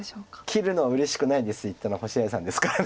切るのはうれしくないんです言ったのは星合さんですから。